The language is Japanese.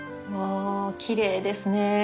あきれいですね。